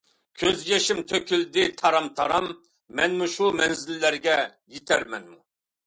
كۆز يېشىم تۆكۈلدى تارام-تارام، مەنمۇ شۇ مەنزىللەرگە يېتەرمەنمۇ.